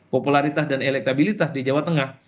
popularitas dan elektabilitas di jawa tengah